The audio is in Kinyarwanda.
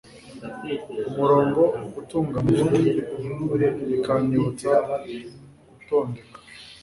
umurongo utunganijwe. bikanyibutsa gutondeka